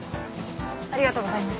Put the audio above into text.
ありがとうございます。